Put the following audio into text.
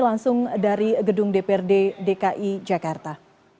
langsung dari gedung dprd dki jakarta